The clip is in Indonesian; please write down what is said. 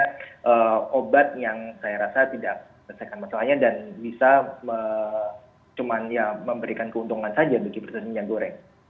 jadi obat yang saya rasa tidak menyelesaikan masalahnya dan bisa cuman ya memberikan keuntungan saja bagi produsen minyak goreng